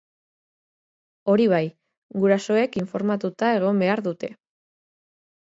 Hori bai, gurasoek informatuta egon behar dute.